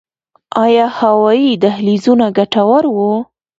آیا هوایي دهلیزونه ګټور وو؟